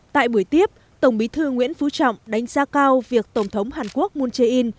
tại buổi tiếp tổng bí thư nguyễn phú trọng đánh giá cao việc tổng thống hàn quốc moon jae in